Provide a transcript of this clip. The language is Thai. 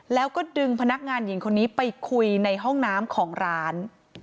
แล้วก็ดึงพนักงานหญิงคนนี้ไปคุยในห้องน้ำของร้าน